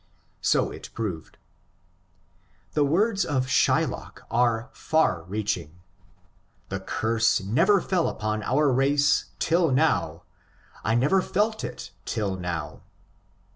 So it proved. The words of Shylock are far reaching :*' The curse never fell upon our race till now ; I never felt it till now."